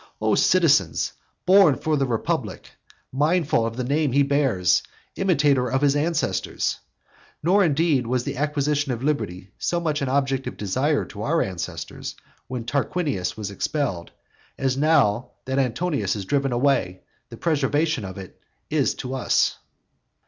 O citizen, born for the republic; mindful of the name he bears; imitator of his ancestors! Nor, indeed, was the acquisition of liberty so much an object of desire to our ancestors when Tarquinius was expelled, as, now that Antonius is driven away, the preservation of it is to us.